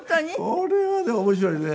これはね面白いね。